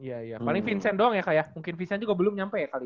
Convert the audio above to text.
iya ya paling vincent doang ya kak ya mungkin vision juga belum nyampe kali